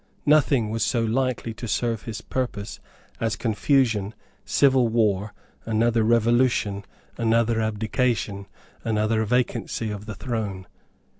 Nothing was so likely to serve his purpose as confusion, civil war, another revolution, another abdication, another vacancy of the throne.